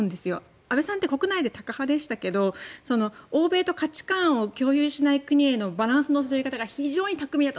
安倍さんって国内でタカ派でしたけど欧米と価値観を共有しない国へのバランスの取り方が非常に巧みだった。